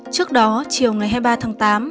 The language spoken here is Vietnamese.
trước đó chiều ngày hai mươi ba tháng tám